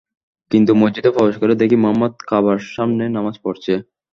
কিন্তু মসজিদে প্রবেশ করেই দেখি মুহাম্মদ কাবার সামনে নামায পড়ছে।